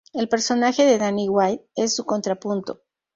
El personaje de Danny Wilde es su contrapunto.